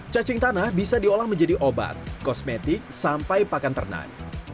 cacing tanah bisa diolah menjadi obat kosmetik sampai pakan ternak